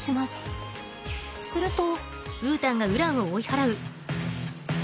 すると。